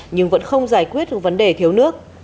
nhưng vẫn không giải quyết được vấn đề thiếu nước